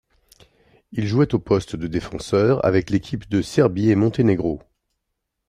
Il jouait au poste de défenseur avec l'équipe de Serbie-et-Monténégro.